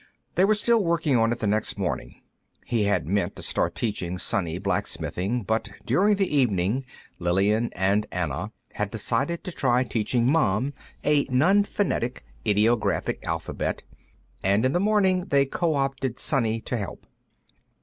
They were still working on it the next morning. He had meant to start teaching Sonny blacksmithing, but during the evening Lillian and Anna had decided to try teaching Mom a nonphonetic, ideographic, alphabet, and in the morning they co opted Sonny to help.